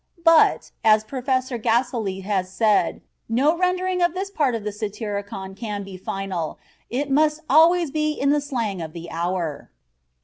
"But," as Professor Gaselee has said, "no rendering of this part of the Satyricon can be final, it must always be in the slang of the hour."